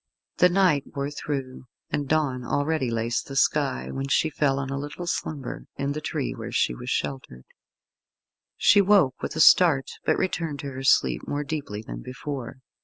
The night wore through, and dawn already laced the sky, when she fell on a little slumber, in the tree where she was sheltered. She woke with a start, but returned to her sleep more deeply than before.